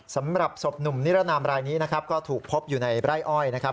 สำหรับศพหนุ่มนิรนามรายนี้นะครับก็ถูกพบอยู่ในไร่อ้อยนะครับ